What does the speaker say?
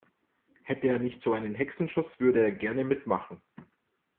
Hätte er nicht so einen Hexenschuss, würde er gerne mitmachen.